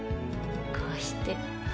こうして。